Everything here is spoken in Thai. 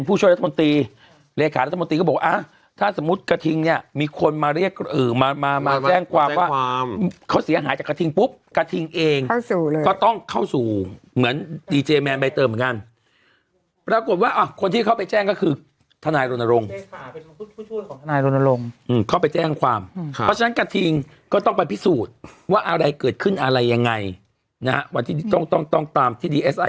ผู้ช่วยรัฐมนตรีเลขารัฐมนตรีก็บอกอ่ะถ้าสมมุติกระทิงเนี่ยมีคนมาเรียกมามาแจ้งความว่าเขาเสียหายจากกระทิงปุ๊บกระทิงเองก็ต้องเข้าสู่เหมือนดีเจแมนใบเติมเหมือนกันปรากฏว่าคนที่เข้าไปแจ้งก็คือทนายรณรงค์ของทนายรณรงค์เข้าไปแจ้งความเพราะฉะนั้นกระทิงก็ต้องไปพิสูจน์ว่าอะไรเกิดขึ้นอะไรยังไงนะฮะวันที่ต้องต้องตามที่ดีเอสไอ